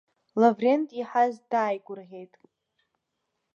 Лаврент иаҳаз дааигәырӷьеит.